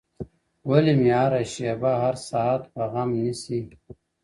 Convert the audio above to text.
ولي مي هره شېبه هر ساعت په غم نیس;